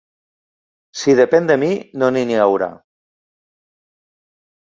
Si depèn de mi, no n’hi haurà.